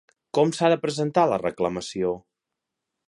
Com s'ha de presentar la reclamació?